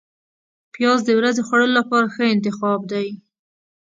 پیاز د ورځې خوړلو لپاره ښه انتخاب دی